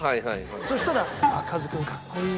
そしたら「カズ君かっこいい」